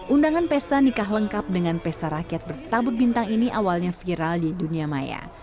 undangan pesta nikah lengkap dengan pesta rakyat bertabut bintang ini awalnya viral di dunia maya